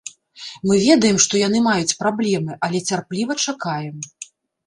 Мы ведаем, што яны маюць праблемы, але цярпліва чакаем.